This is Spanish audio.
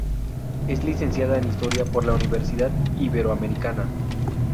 Es licenciada en Historia por la Universidad Iberoamericana.